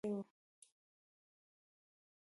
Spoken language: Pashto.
کوم پوځیان چې دا چانټې تړلي وو.